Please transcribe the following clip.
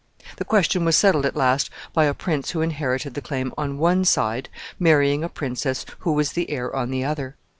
The question was settled at last by a prince who inherited the claim on one side marrying a princess who was the heir on the other.